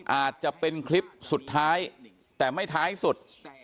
อาจจะเป็นคลิปสุดท้ายแต่ไม่ท้ายสุด